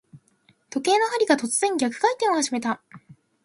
時計の針が、突然逆回転を始めた。